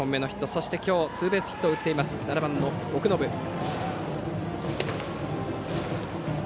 そして今日ツーベースヒットを打っている７番、奥信が打席。